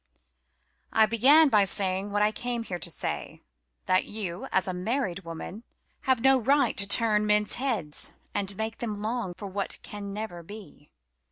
I began by saying what I came here to say: that you, as a married woman, have no right to turn men's heads and make them long for what can never be."